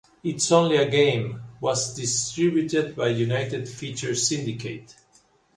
"It's Only a Game" was distributed by United Feature Syndicate.